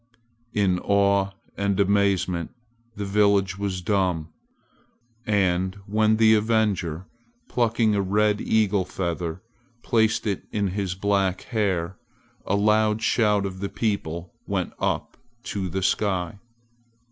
In awe and amazement the village was dumb. And when the avenger, plucking a red eagle feather, placed it in his black hair, a loud shout of the people went up to the sky.